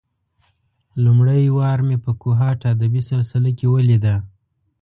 لومړۍ وار مې په کوهاټ ادبي سلسله کې ولېده.